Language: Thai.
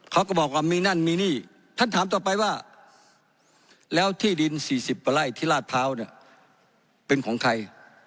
เขาก็บอกว่ามีนั่นมีหนี้ท่านถามต่อไปว่าแล้วที่ดินสี่สิบไว้ที่ลาดเภาเนี่ย